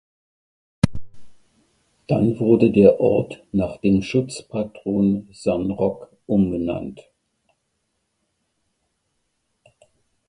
Dann wurde der Ort nach dem Schutzpatron "San Roque" umbenannt.